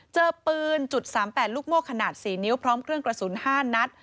เจอปืน๓๘ลูกโม่ขนาด๔นิ้วพร้อมเครื่องกระสุน๕นัด